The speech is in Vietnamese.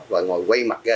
và ngồi quay mặt ra